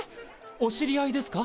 お知り合いですか？